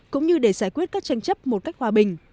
cũng như để giải quyết các tranh chấp một cách hòa bình